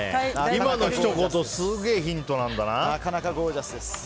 今のひと言すげえヒントなんだな。